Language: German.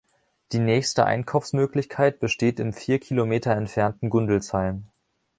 Die nächste Einkaufsmöglichkeit besteht im vier Kilometer entfernten Gundelsheim.